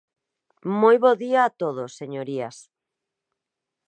Moi bo día a todos, señorías.